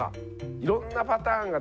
いろんなパターンがね